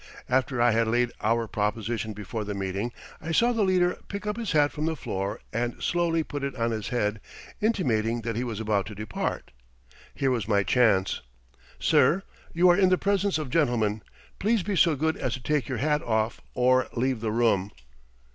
After I had laid our proposition before the meeting, I saw the leader pick up his hat from the floor and slowly put it on his head, intimating that he was about to depart. Here was my chance. "Sir, you are in the presence of gentlemen! Please be so good as to take your hat off or leave the room!"